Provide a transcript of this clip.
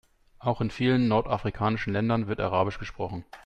Auch in vielen nordafrikanischen Ländern wird arabisch gesprochen.